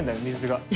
水が。